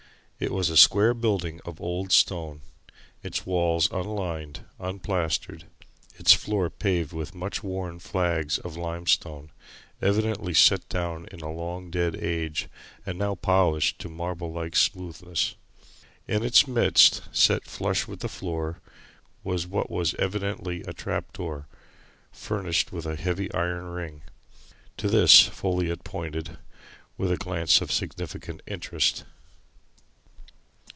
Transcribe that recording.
It was a square building of old stone, its walls unlined, unplastered; its floor paved with much worn flags of limestone, evidently set down in a long dead age and now polished to marble like smoothness. In its midst, set flush with the floor, was what was evidently a trap door, furnished with a heavy iron ring. To this Folliot pointed, with a glance of significant interest.